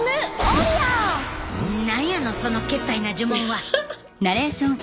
何やのそのけったいな呪文は。